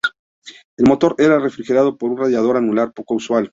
El motor era refrigerado por un radiador anular poco usual.